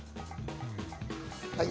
はい。